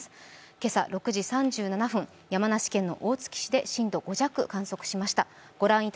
今朝６時３７分、山梨県の大月市で震度５弱を観測しました。